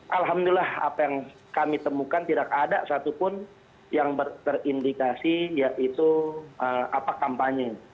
alhamdulillah apa yang kami temukan tidak ada satupun yang terindikasi yaitu kampanye